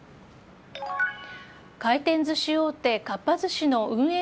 回転寿司大手かっぱ寿司の運営